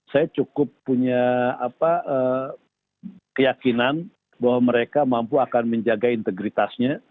saya cukup punya keyakinan bahwa mereka mampu akan menjaga integritasnya